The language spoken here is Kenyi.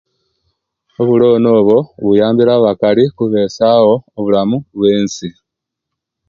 Owulooni obwo, buyambire abakali kubesaawo obulamu obwensi.